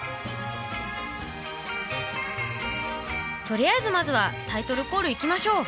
とりあえずまずはタイトルコールいきましょう。